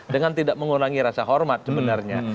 dengan tidak mengurangi rasa hormat sebenarnya